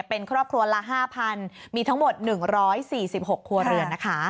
เป็นครอบครัวละ๕๐๐มีทั้งหมด๑๔๖ครัวเรือนนะคะ